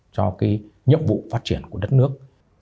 cho cái nhiệm vụ phát triển của đất nước